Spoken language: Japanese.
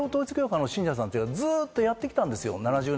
それを統一教会の信者さんはずっとやってきたんです。